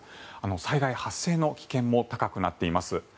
災害発生の危険も高くなっています。